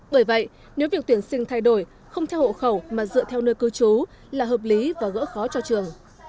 bởi vậy nếu việc tuyển sinh thay đổi không theo hộ khẩu mà dựa theo nơi cư trú là hợp lý và gỡ khó cho trường